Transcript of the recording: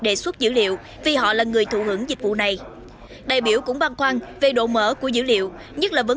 đề xuất dữ liệu vì họ là người thụ hưởng dịch vụ này đại biểu cũng băng khoan về độ mở của dữ liệu nhất là vấn